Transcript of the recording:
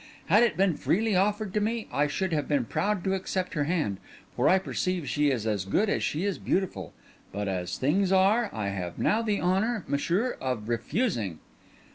Had it been freely offered to me, I should have been proud to accept her hand, for I perceive she is as good as she is beautiful; but as things are, I have now the honour, messire, of refusing."